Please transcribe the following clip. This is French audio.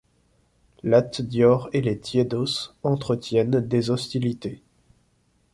Lat Dior et les tiédos entretiennent des hostilités.